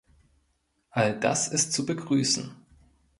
All das ist zu begrüßen.